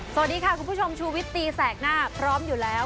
สวัสดีค่ะคุณผู้ชมชูวิตตีแสกหน้าพร้อมอยู่แล้ว